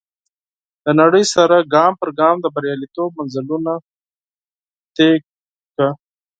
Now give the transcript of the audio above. د نړۍ سره ګام پر ګام د برياليتوب منزلونه طی کړه.